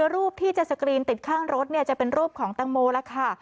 รูปที่จะสกรีนติดข้างรถจะเป็นรูปของตังโมแล้วค่ะ